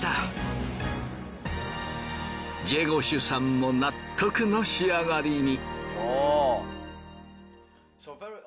ジェゴシュさんも納得の仕上がりに！